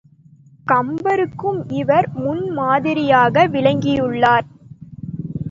கம்பருக்கும் இவர் முன் மாதிரியாக விளங்கியுள்ளார்.